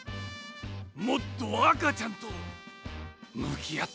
もっとあかちゃんとむきあって！